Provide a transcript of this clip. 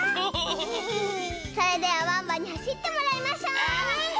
それではワンワンにはしってもらいましょう！